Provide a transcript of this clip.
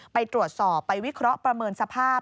ไปตรวจสอบไปวิเคราะห์ประเมินสภาพ